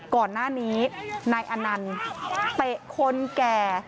ก่อนหน้านี้นายอนันต์เตะคนแก่